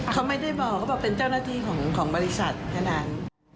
เขาไม่ได้บอกเขาบอกเป็นเจ้าหน้าที่ของบริษัทแค่นั้น